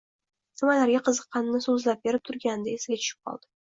nimalarga qiziqqanini so‘zlab berib turganida esiga tushib qoldi.